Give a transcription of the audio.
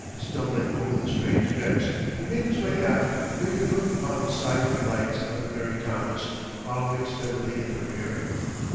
Stumbling over the strange decks, he made his way aft where he could look upon the side lights of the Mary Thomas, following steadily in the rear.